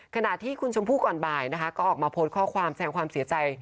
ขณะที่คุณชมพู่ก่อนบ่ายนะคะก็ออกมาโพสต์ข้อความแสงความเสียใจ